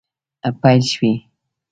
پیل شوي